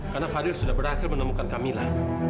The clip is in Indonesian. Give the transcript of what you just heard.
karena fadil sudah berhasil menemukan camilla